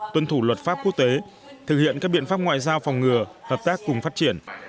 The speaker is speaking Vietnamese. tuân thủ luật pháp quốc tế thực hiện các biện pháp ngoại giao phòng ngừa hợp tác cùng phát triển